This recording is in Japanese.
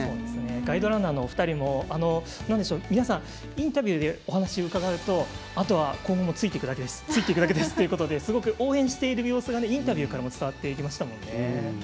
ガイドランナーのお二人も皆さんインタビューでお話うかがうとあとは今後ついていくだけですということで応援している様子がインタビューからも伝わってきましたもんね。